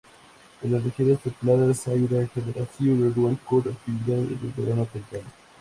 En las regiones templadas hay una generación anual con actividad en el verano temprano.